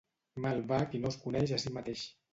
Mal va qui no es coneix a si mateix.